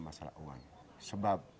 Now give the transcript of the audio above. masalah uang sebab